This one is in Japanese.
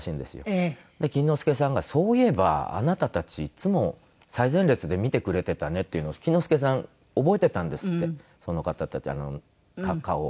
錦之介さんが「そういえばあなたたちいつも最前列で見てくれてたね」っていうのを錦之介さん覚えてたんですってその方たち顔を。